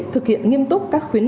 thực hiện nghiêm túc các khuyến mục